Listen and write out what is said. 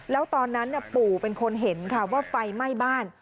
แล้วตอนนั้นปู่เป็นคนเห็นค่ะว่าไฟไหม้บ้าน